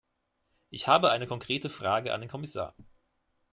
Ich habe eine konkrete Frage an den Kommissar.